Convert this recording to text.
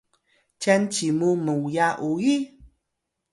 cyan cimu muya uyi?